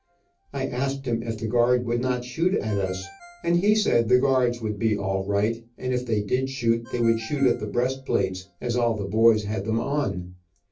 I asked him if the guard would not shoot at us, and he said the guards would be all right, and if they did shoot they would shoot at the breast plates, as all the boys had them on.